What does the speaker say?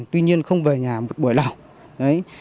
tuy nhiên không về nhà một buổi nào